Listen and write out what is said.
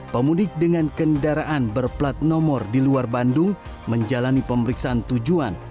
pemudik dengan kendaraan berplat nomor di luar bandung menjalani pemeriksaan tujuan